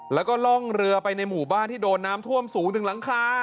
แล้วก็ล่องเรือไปในหมู่บ้านที่โดนน้ำท่วมสูงถึงหลังคา